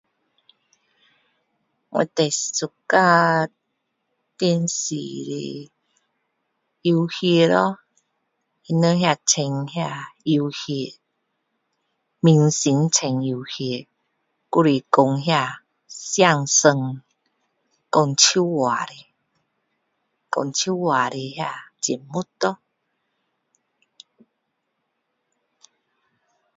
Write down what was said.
我最喜欢电视游戏咯他们玩呀游戏啦明星玩的游戏还是说那些相声说笑话的节目咯